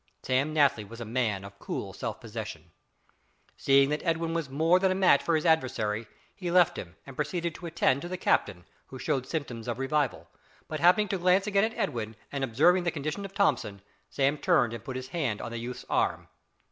Sam Natly was a man of cool self possession. Seeing that Edwin was more than a match for his adversary, he left him, and proceeded to attend to the captain, who showed symptoms of revival; but happening to glance again at Edwin, and observing the condition of Thomson, Sam turned and put his hand on the youth's arm.